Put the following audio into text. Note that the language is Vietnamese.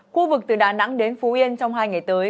khu vực từ đà nẵng đến phú yên trong hai ngày tới